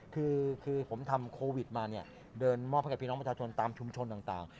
คือผมทำโควิดมาเนี่ยเดินมอบให้กับพี่น้องประชาชนตามชุมชนต่าง